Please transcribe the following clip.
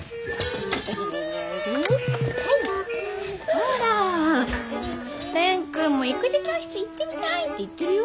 ほら蓮くんも「育児教室行ってみたい」って言ってるよ。